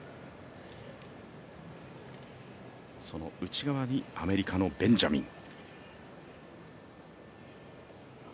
その内側にアメリカのベンジャミン。